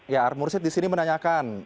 ya armurshid di sini menanyakan